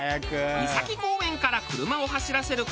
三崎公園から車を走らせる事６分。